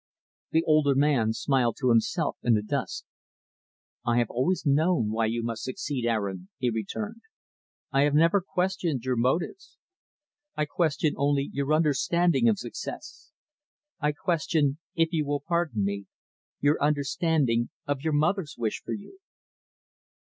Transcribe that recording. The older man smiled to himself, in the dusk. "I have always known why you must succeed, Aaron," he returned. "I have never questioned your motives. I question only your understanding of success. I question if you will pardon me your understanding of your mother's wish for you."